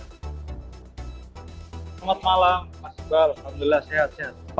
selamat malam mas iqbal alhamdulillah sehat sehat